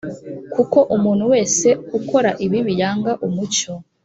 kuko umuntu wese ukora ibibi yanga umucyo